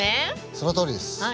そのとおりです。